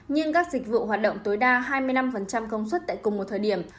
nhưng các dịch vụ hoạt động tối đa hai mươi năm công suất tại cùng một thời điểm